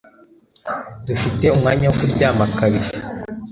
Dufite umwanya wo kuryama kabiri